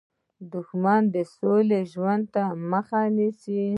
دښمن د سوکاله ژوند مخه نیسي